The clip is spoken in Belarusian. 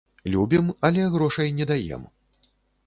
Любім, але грошай не даем.